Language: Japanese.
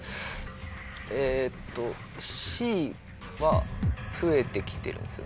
えっとＣは増えて来てるんですよ。